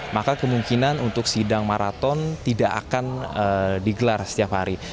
maka kemungkinan untuk sidang maraton tidak akan digelar setiap hari